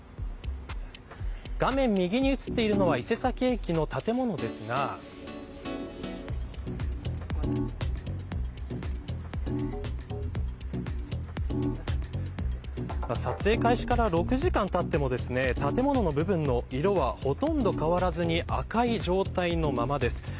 画面右に映っているのは伊勢崎駅の建物ですが撮影開始から６時間たっても建物の部分の色はほとんど変わらずに赤い状態のままです。